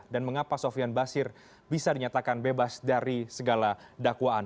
mengapa sofian basir bisa dinyatakan bebas dari segala dakwaan